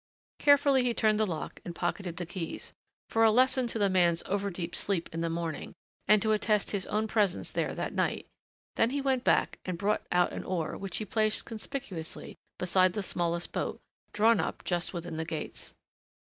Carefully he turned the lock and pocketed the keys for a lesson to the man's overdeep sleep in the morning and to attest his own presence there that night; then he went back and brought out an oar, which he placed conspicuously beside the smallest boat, drawn up just within the gates.